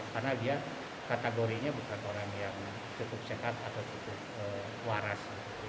karena dia kategorinya bukan orang yang cukup sehat atau cukup waras